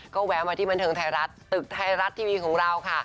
ก็แวะมาที่บันเทิงไทยรัฐตึกไทยรัฐทีวีของเราค่ะ